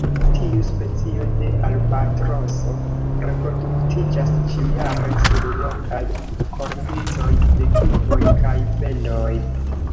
Tiu specio de albatroso reproduktiĝas ĉiujare sur rokaj kornicoj, deklivoj, kaj fendoj.